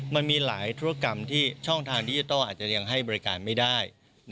มันมีหลายธุรกรรมที่ช่องทางดิจิทัลอาจจะยังให้บริการไม่ได้